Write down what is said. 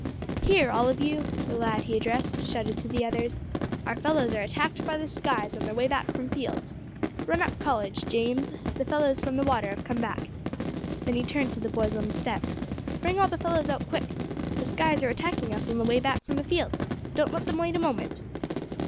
"Here, all of you," the lad he addressed shouted to the others; "our fellows are attacked by the 'skies' on their way back from fields. Run up College, James; the fellows from the water have come back." Then he turned to the boys on the steps, "Bring all the fellows out quick; the 'skies' are attacking us on the way back from the fields. Don't let them wait a moment."